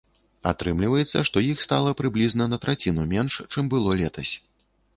Атрымліваецца, што іх стала прыблізна на траціну менш, чым было летась.